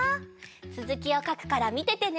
つづきをかくからみててね！